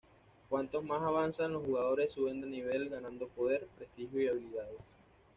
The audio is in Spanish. Cuanto más avanzan los jugadores, suben de nivel, ganando poder, prestigio y habilidades.